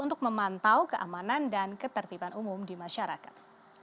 untuk memantau keamanan dan ketertiban umum di masyarakat